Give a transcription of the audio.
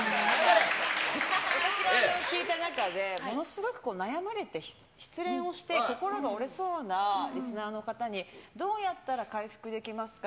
私が聞いた中で、ものすごく悩まれて、失恋をして、心が折れそうなリスナーの方に、どうやったら回復できますか？